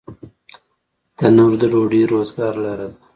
تنور د ډوډۍ د روزګار لاره ده